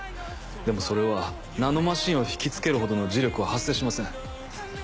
でもそれはナノマシンを引き付けるほどの磁力は発生しません。